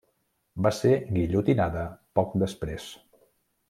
Va ser guillotinada poc després.